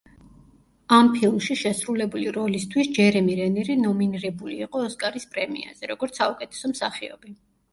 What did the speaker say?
ამ ფილმში შესრულებული როლისთვის ჯერემი რენერი ნომინირებულ იყო ოსკარის პრემიაზე, როგორც საუკეთესო მსახიობი.